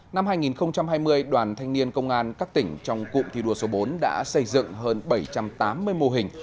năm hai nghìn hai mươi đoàn thanh niên công an các tỉnh trong cụm thi đua số bốn đã xây dựng hơn bảy trăm tám mươi mô hình